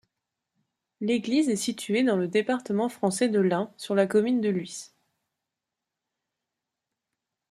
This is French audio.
L'église est située dans le département français de l'Ain, sur la commune de Lhuis.